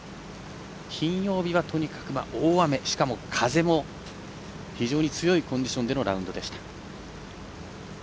金曜日はとにかく大雨、しかも風も非常に強いコンディションでのラウンドでした。